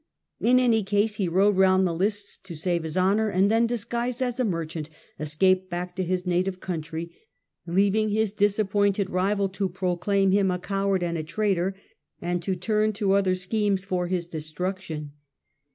In any case, he rode round the lists to save his honour and then, dis guised as a merchant, escaped back to his native country, leaving his disappointed rival to proclaim him a coward and a traitor, and to turn to other schemes for his de THE SPANISH PENINSULA 251 straction.